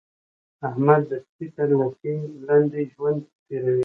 احمد د سپي تر لګۍ لاندې ژوند تېروي.